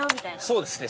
◆そうですね。